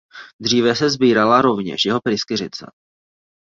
Dříve se sbírala rovněž jeho pryskyřice.